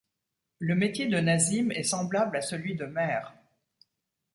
Le métier de Nazim est semblable à celui de maire.